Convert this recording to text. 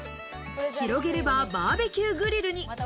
広げればバーベキューグリルに。